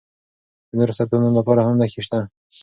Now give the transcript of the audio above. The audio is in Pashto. د نورو سرطانونو لپاره هم نښې شته.